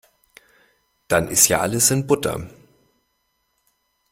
Dann ist ja alles in Butter.